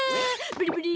ブリブリ！